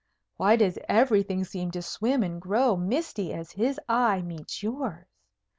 Why does everything seem to swim and grow misty as his eye meets yours?